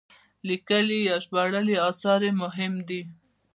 لیکلي یا ژباړلي اثار یې مهم دي.